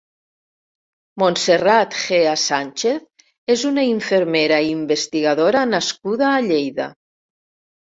Montserrat Gea Sánchez és una infermera i investigadora nascuda a Lleida.